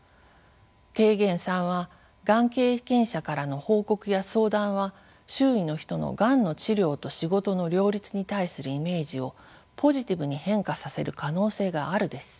提言３はがん経験者からの報告や相談は周囲の人のがんの治療と仕事の両立に対するイメージをポジティブに変化させる可能性があるです。